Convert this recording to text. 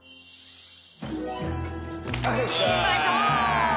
よいしょ！